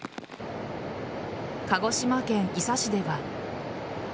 鹿児島県伊佐市では。